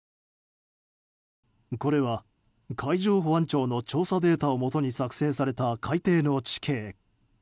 これは海上保安庁の調査データをもとに作成された海底の地形。